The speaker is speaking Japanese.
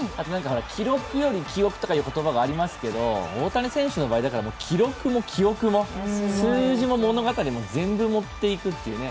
記録より記憶とかいう言葉がありますけど大谷選手の場合、記録も記憶も数字も物語も全部持っていくっていうね。